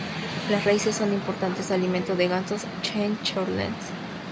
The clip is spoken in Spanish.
Las raíces son importante alimento de gansos "Chen caerulescens".